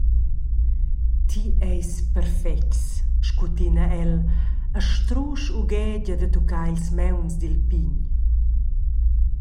«Ti eis perfetgs», scutina el e strusch ughegia da tuccar ils mauns dil pign.